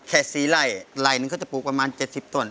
แค่๔ไร่ไล่นึงเขาจะปลูกประมาณ๗๐ต้น